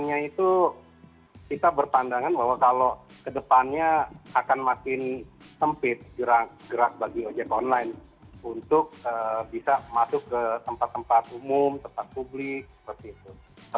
nah itu kita berpandangan bahwa kalau kedepannya akan makin sempit gerak bagi ojek online untuk bisa masuk ke tempat tempat umum tempat publik seperti itu